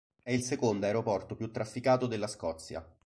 È il secondo aeroporto più trafficato della Scozia.